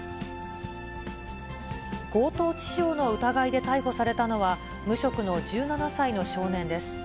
強盗致傷の疑いで逮捕されたのは、無職の１７歳の少年です。